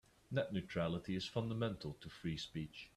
Net neutrality is fundamental to free speech.